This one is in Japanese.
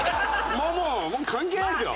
もう関係ないですよ。